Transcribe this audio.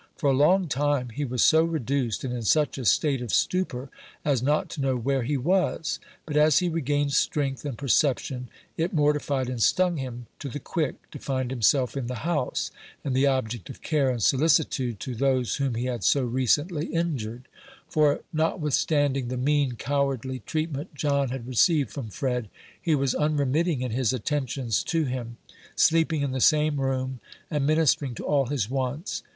For a long time he was so reduced, and in such a state of stupor, as not to know where he was; but as he regained strength and perception, it mortified and stung him to the quick to find himself in the house, and the object of care and solicitude to those whom he had so recently injured; for, notwithstanding the mean, cowardly treatment John had received from Fred, he was unremitting in his attentions to him, sleeping in the same room, and ministering to all his wants.